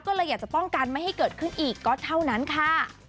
ก็เลยอยากจะป้องกันไม่ให้เกิดขึ้นอีกก็เท่านั้นค่ะ